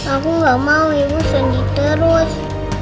aku gak mau ibu sendi terus